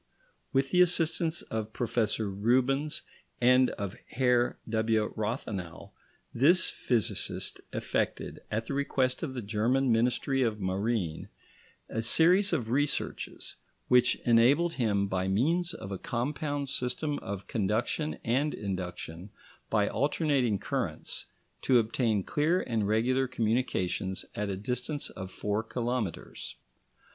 With the assistance of Professor Rubens and of Herr W. Rathenau, this physicist effected, at the request of the German Ministry of Marine, a series of researches which enabled him, by means of a compound system of conduction and induction by alternating currents, to obtain clear and regular communications at a distance of four kilometres.